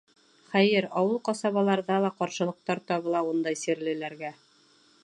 Хәйер, ауыл-ҡасабаларҙа ла ҡаршылыҡтар табыла ундай сирлеләргә.